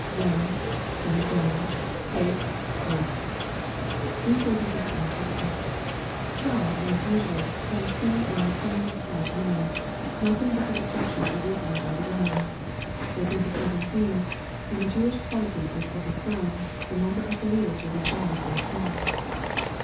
[ Wken...Son of 7nan.,.faith...earffi.'] These words are differently interpreted. Some, as usual, can see in the " coming of the Son of man," nothing but the destruction of Jerusalem by the Romans. They think the sentence means, when the Jewish polity is overthrown, the number of believers will be found very small.